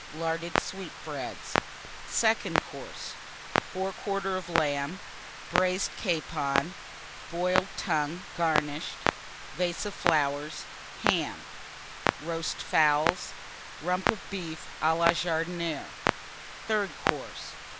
Larded Sweetbreads. Second Course. Fore quarter of Lamb. Braised Capon. Boiled Tongue, Vase of Ham. garnished. Flowers. Roast Fowls. Rump of Beef à la Jardinière. _Third Course.